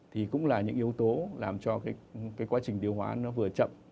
thì cũng là những yếu tố làm cho cái quá trình điều hóa nó vừa chậm